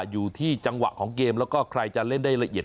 อยู่ที่จังหวะของเกมแล้วก็ใครจะเล่นได้ละเอียด